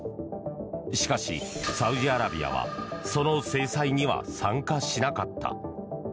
しかし、サウジアラビアはその制裁には参加しなかった。